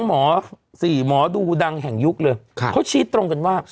หมอ๔หมอดูดังแห่งยุคเลยเขาชี้ตรงกันว่า